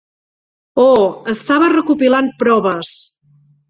Oh, estava recopilant proves.